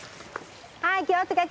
はい気を付けて！